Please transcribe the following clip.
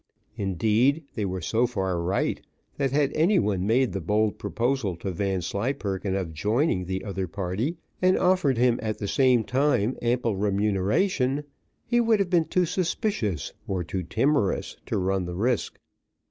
Indeed they were so far right, that had any one made the bold proposal to Vanslyperken of joining the other party, and offered him at the same time ample remuneration, he would have been too suspicious or too timorous to run the risk.